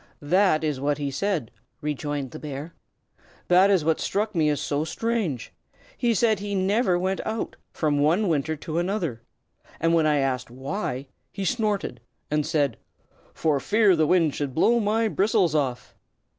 "That is what he said," rejoined the bear. "That is what struck me as so very strange. He said he never went out, from one winter to another. And when I asked why, he snorted, and said, 'For fear the wind should blow my bristles off.'